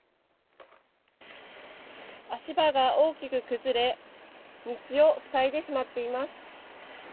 足場が大きく崩れ、道を塞いでしまっています。